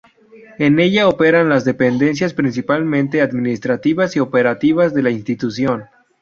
En ella operan las dependencias principalmente administrativas y operativas de la institución.